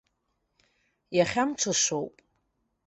Иахьа мҽышоуп!